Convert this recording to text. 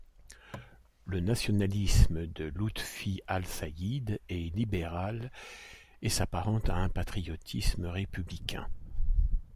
Le nationalisme de Lutfi al-Sayyid est libéral et s'apparente à un patriotisme républicain.